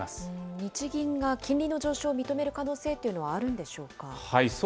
日銀が金利の上昇を認める可能性というのは、あるんでしょうそう